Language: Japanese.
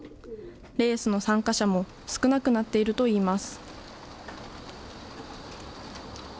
レースの参加者も少なくなっているといいます。